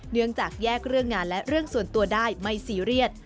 เนื่องจากแยกเรื่องงานและเรื่องส่วนตัวได้ไม่ซีเรียส